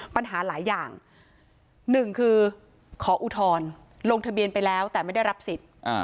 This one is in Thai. ปัญหาหลายอย่างหนึ่งคือขออุทธรณ์ลงทะเบียนไปแล้วแต่ไม่ได้รับสิทธิ์